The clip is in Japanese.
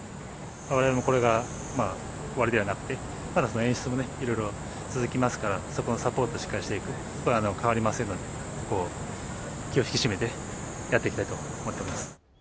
われわれもこれが終わりではなくて、まだ演出もいろいろ続きますから、そこのサポートをしっかりしていく、これは変わりませんので、気を引き締めてやっていきたいと思っております。